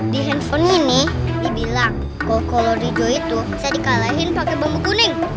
di handphone ini dibilang kalau kolor hijau itu bisa dikalahin pakai bambu kuning